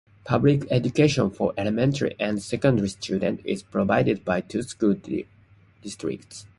Public education for elementary and secondary students is provided by two school districts.